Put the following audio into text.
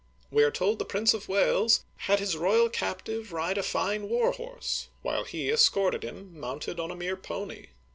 We are told the Prince of Wales had his royal captive ride a fine war horse, while he escorted him, mounted on a mere pony.